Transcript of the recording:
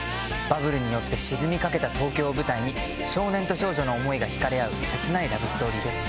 バブルによって沈みかけた東京を舞台に少年と少女の思いが引かれ合う切ないラブストーリーです。